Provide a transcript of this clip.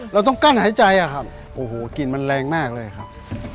เราต้องกั้นหายใจอะครับโอ้โหกลิ่นมันแรงมากเลยครับ